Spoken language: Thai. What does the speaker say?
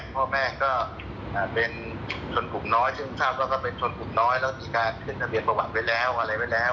พ่อแม่ก็เป็นชนกลุ่มน้อยซึ่งทราบว่าเขาเป็นคนกลุ่มน้อยแล้วมีการขึ้นทะเบียนประวัติไว้แล้วอะไรไว้แล้ว